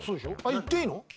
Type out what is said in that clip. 言っていいの？